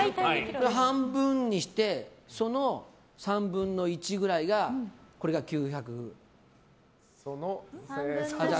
半分にしてその３分の１ぐらいが３００ｇ。